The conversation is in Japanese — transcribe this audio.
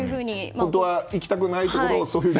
本当は行きたくないところを？